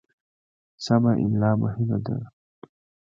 سمه املا مهمه ده.